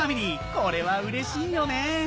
これはうれしいよね